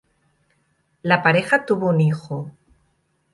La pareja tuvo un hijo.